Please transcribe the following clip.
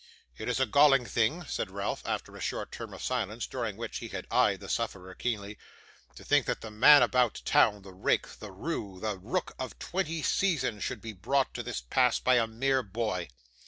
'It is a galling thing,' said Ralph, after a short term of silence, during which he had eyed the sufferer keenly, 'to think that the man about town, the rake, the ROUE, the rook of twenty seasons should be brought to this pass by a mere boy!